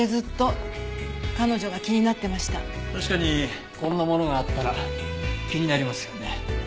確かにこんなものがあったら気になりますよね。